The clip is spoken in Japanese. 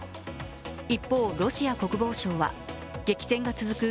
一方、ロシア国防省は激戦が続く